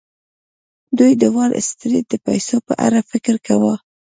دوی د وال سټریټ د پیسو په اړه فکر کاوه